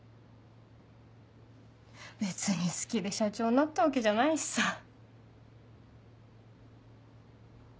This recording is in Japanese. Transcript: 別に好きで社長になったわけじゃないしさ。